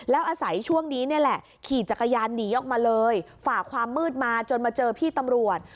แล้วอาศัยช่วงนี้นี่แหละขี่จักรยานหนีออกมาเลยฝ่าความมืดมาจนมาเจอพี่ตำรวจ